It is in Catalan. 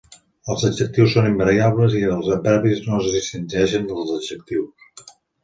Els adjectius són invariables i els adverbis no es distingeixen dels adjectius.